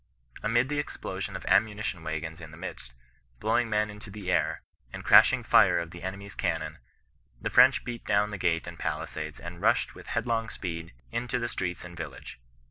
Amid the explosion of ammunition waggons in the midst, blow ing men into the air, and the crashing fire of the enemy's cannon, the French beat down the gate and palisades and rushed with headlong speed into the streets and village.